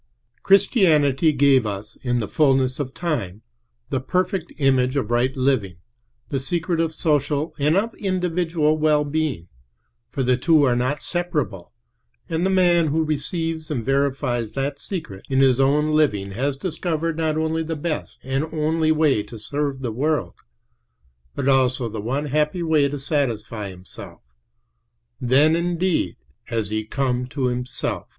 Christianity gave us, in the fullness of time, the perfect image of right living, the secret of social and of individual well being; for the two are not separable, and the man who receives and verifies that secret in his own living has discovered not only the best and only way to serve the world, but also the one happy way to satisfy himself. Then, indeed, has he come to himself.